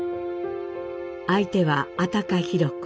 相手は安宅裕子。